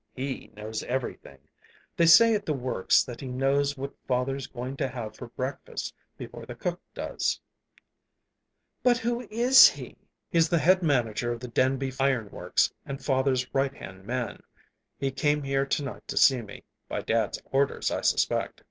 "He knows everything. They say at the Works that he knows what father's going to have for breakfast before the cook does." "But who is he?" "He's the head manager of the Denby Iron Works and father's right hand man. He came here to night to see me by dad's orders, I suspect."